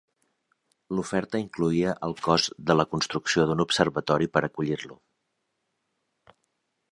L'oferta incloïa el cost de la construcció d'un observatori per acollir-lo.